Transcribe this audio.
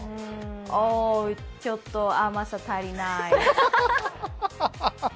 オー、ちょっと甘さ足りない。